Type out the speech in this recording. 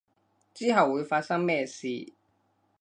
之後會發生咩事